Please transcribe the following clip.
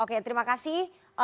oke terima kasih